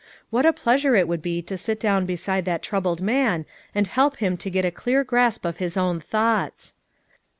"What a pleasure it would be to sit down beside that troubled man and help him to get a clear grasp of his own thoughts!